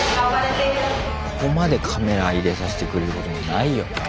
ここまでカメラ入れさしてくれることもないよね。